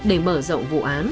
để mở rộng vụ án